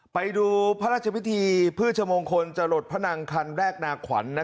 ไปดูพระราชพิธีพฤชมงคลจรดพนังคันแรกนาขวัญ